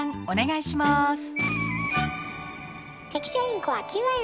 お願いします。